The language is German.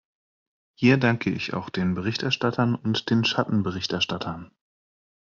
Hier danke ich auch den Berichterstattern und den Schattenberichterstattern.